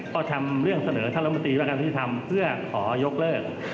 ก็ทำเรื่องเสนอธรรมตีมากับธิษฐรรมเพื่อขอยกเลิก